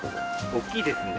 大きいですね。